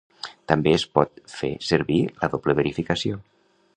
També es pot fer servir la doble verificació.